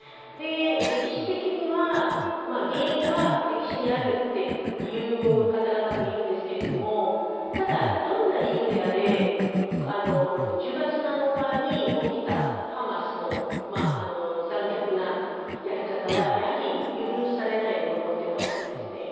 歴史的には原因は歴史にあるっていう方々もいるんですけども、ただどんな理由であれ、１０月７日に起きたハマスの残虐なやり方はやはり許されないものですね。